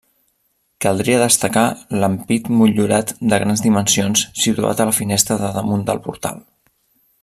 Caldria destacar l'ampit motllurat de grans dimensions situat a la finestra de damunt del portal.